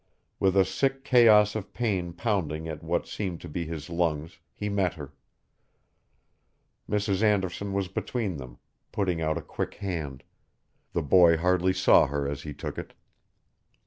With a sick chaos of pain pounding at what seemed to be his lungs he met her. Mrs. Anderson was between them, putting out a quick hand; the boy hardly saw her as he took it.